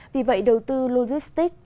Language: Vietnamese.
vì vậy đầu tư lô dựng